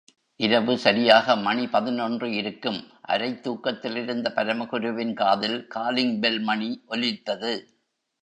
இரவு சரியாக மணி பதினொன்று இருக்கும், அரைத் தூக்கத்திலிருந்த பரமகுருவின் காதில் காலிங் பெல் மணி ஒலித்தது.